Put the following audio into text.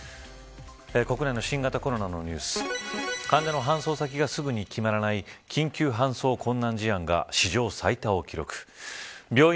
国内の新型コロナのニュース患者の搬送先がすぐに決まらない救急搬送困難事案が史上最多を記録。